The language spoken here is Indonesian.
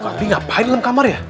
pak de ngapain dalam kamar ya